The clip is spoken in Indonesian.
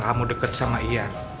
kamu deket sama ian